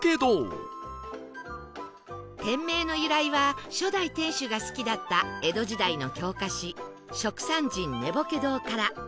店名の由来は初代店主が好きだった江戸時代の狂歌師蜀山人寝惚堂から